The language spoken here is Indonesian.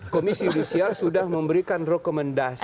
komisi yudisial sudah memberikan rekomendasi